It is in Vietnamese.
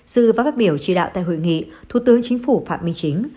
dư và bác biểu trì đạo tại hội nghị thủ tướng chính phủ phạm minh chính